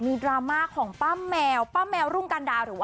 มีภาพของป้าแมวป้าแมวรุ่งการเดา